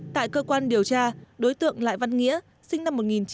tại cơ quan điều tra đối tượng lại văn nghĩa sinh năm một nghìn chín trăm tám mươi